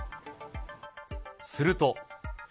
すると。